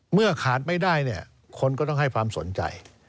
เมื่อขาดไม่ได้เนี่ยคนก็ต้องให้ความสนใจ